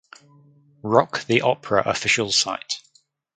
Rock the Opera official site